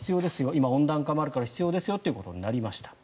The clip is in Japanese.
今、温暖化もあるから必要ですよということになりました。